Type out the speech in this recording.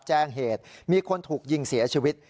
แจ้งเหตุมีคนถูกยิงเสียชีวิต